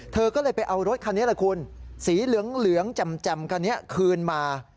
เธอก็เลยไปเอารถคันนี้แหละคุณสีเหลืองแจ่มคันนี้คืนมา